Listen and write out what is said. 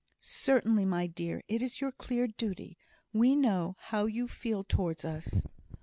"Certainly, my dear. It is your clear duty. We know how you feel towards us."